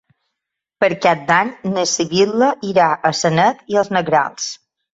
Per Cap d'Any na Sibil·la irà a Sanet i els Negrals.